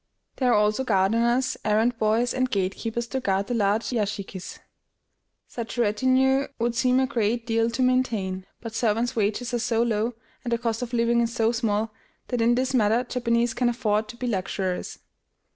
There are also gardeners, errand boys, and gate keepers to guard the large yashikis. Such a retinue would seem a great deal to maintain; but servants' wages are so low, and the cost of living is so small, that in this matter Japanese can afford to be luxurious.